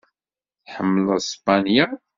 Tḥemmleḍ Spanya?